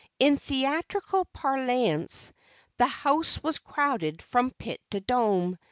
In theatrical parlance, the house was crowded from "pit to dome."